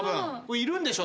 いるんでしょ？